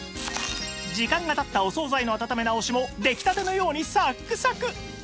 時間が経ったお惣菜の温め直しも出来たてのようにサックサク